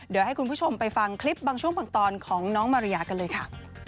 เดี๋ยวให้คุณผู้ชมไปฟังคลิปบางช่วงบางตอนของน้องมาริยากันเลยค่ะ